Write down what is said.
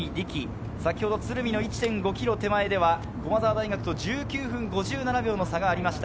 ４年生の南里樹、最初、鶴見の１．５ｋｍ手前では駒澤大学と１９分５７秒の差がありました。